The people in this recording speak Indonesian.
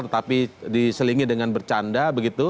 tetapi diselingi dengan bercanda